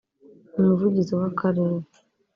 Umuvugizi w’Akarere